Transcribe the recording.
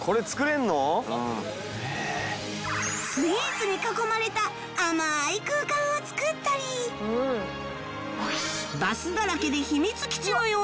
スイーツに囲まれた甘い空間を作ったりバスだらけで秘密基地のような空間など